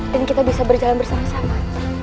dan kita bisa berjalan bersama sama